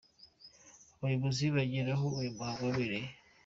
Abayobozi bagera aho uyu muhango wabereye.